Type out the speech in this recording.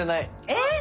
えっ！